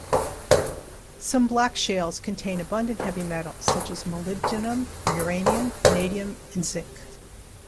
Some black shales contain abundant heavy metals such as molybdenum, uranium, vanadium, and zinc.